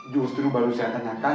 justru baru saya tanyakan